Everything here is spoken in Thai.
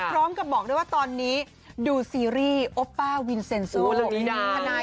พร้อมกับบอกด้วยว่าตอนนี้ดูซีรีส์โอป้าวินเซ็นซ์สู่โลกนี้น้อย